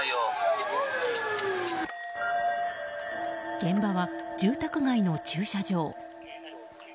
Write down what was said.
現場は住宅街の駐車場。